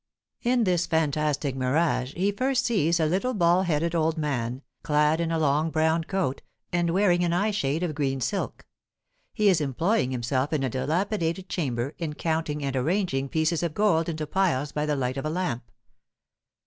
In this fantastic mirage he first sees a little bald headed old man, clad in a long brown coat, and wearing an eye shade of green silk. He is employing himself in a dilapidated chamber in counting and arranging pieces of gold into piles by the light of a lamp.